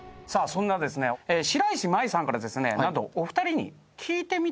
そんなですね白石麻衣さんからですね何とお二人に。